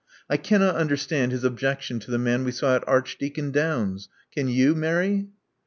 I cannot understand his objec tion to the man we saw at Archdeacon Downes's. Can you, Mary?"